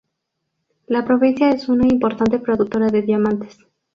La provincia es una importante productora de diamantes.